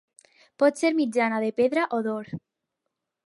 Pot ser mitjana, de pedra o d'or.